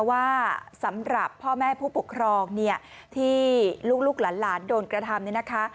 ว่าสำหรับพ่อแม่ผู้ปกครองเนี่ยที่ลูกหลานโดนกระทำเนี่ยนะคะ